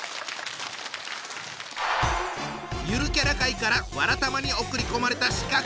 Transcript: ゆるキャラ界から「わらたま」に送り込まれた刺客！